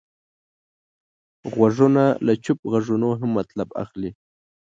غوږونه له چوپ غږونو هم مطلب اخلي